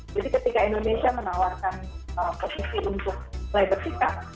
jadi ketika indonesia menawarkan posisi untuk lebar sikap